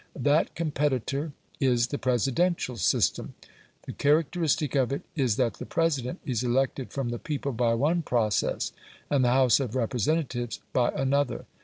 That competitor is the Presidential system. The characteristic of it is that the President is elected from the people by one process, and the House of Representatives by another.